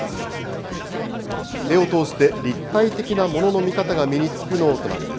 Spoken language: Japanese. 絵を通して立体的なものの見方が身につくノートなんです。